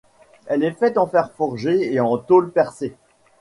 Elle est faite en fer forgé et en tôle percée.